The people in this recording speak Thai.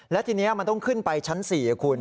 และทีนี้มันต้องขึ้นไปชั้น๔คุณ